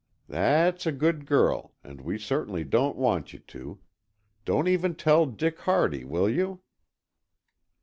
"That's a good girl and we certainly don't want you to. Don't even tell Dick Hardy, will you?"